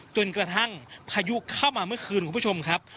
จนกระทั่งพายุเข้ามาเมื่อคืนคุณผู้ชมครับ